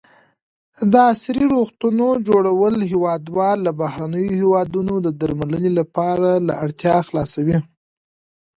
د عصري روغتونو جوړول هېوادوال له بهرنیو هېوادونو د درملنې لپاره له اړتیا خلاصوي.